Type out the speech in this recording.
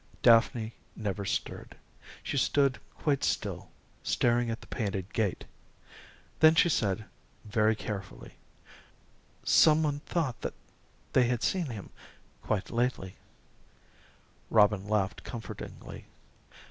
Daphne never stirred. She stood quite still, staring at the painted gate. Then she said, very carefully: "Some one thought some one thought that they had seen him quite lately." Robin laughed comfortingly.